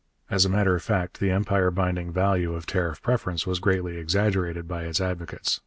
As a matter of fact, the empire binding value of tariff preference was greatly exaggerated by its advocates.